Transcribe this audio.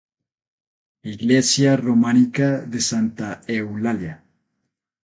Iglesia románica de Santa Eulalia.